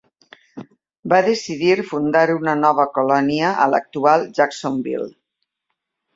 Va decidir fundar una nova colònia a l'actual Jacksonville.